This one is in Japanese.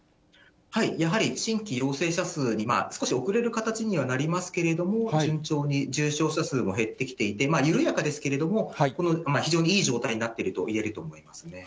やはり新規陽性者数に少し遅れる形にはなりますけれども、順調に重症者数も減ってきていて、緩やかですけれども、非常にいい状態になっていると言えると思いますね。